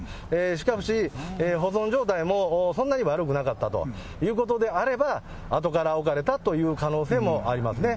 しかし、保存状態もそんなに悪くなかったということであれば、あとから置かれたという可能性もありますね。